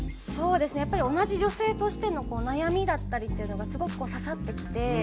そうですねやっぱり同じ女性としての悩みだったりっていうのがすごく刺さってきて。